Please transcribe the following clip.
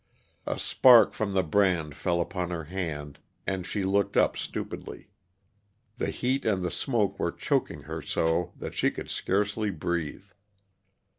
A spark from the brand fell upon her hand, and she looked up stupidly. The heat and the smoke were choking her so that she could scarcely breathe.